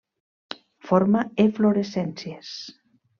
Forma eflorescències.